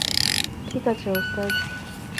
ঠিক আছে, ওস্তাদ!